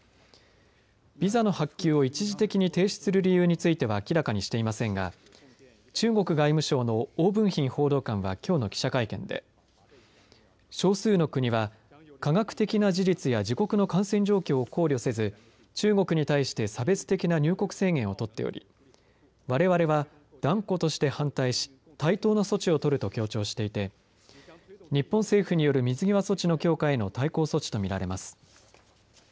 ビザの発給を一時的に停止する理由については明らかにしていませんが中国外務省の汪文斌報道官はきょうの記者会見で少数の国は科学的な事実や自国の感染状況を考慮せず中国に対して差別的な入国制限を取っておりわれわれは断固として反対し対等な措置を取ると強調していて日本政府による水際措置の強化への対抗措置と見られます。